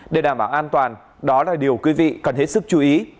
để đảm bảo an toàn đó là điều quý vị cần hết sức chú ý